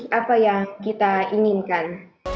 hai apa yang kita inginkan